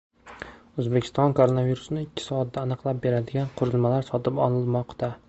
O‘zbekiston koronavirusni ikki soatda aniqlab beradigan qurilmalar sotib olmoqda